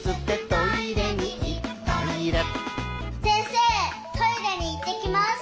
トイレに行ってきます！」